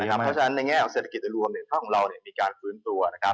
เพราะฉะนั้นในแง่ของเศรษฐกิจโดยรวมถ้าของเรามีการฟื้นตัว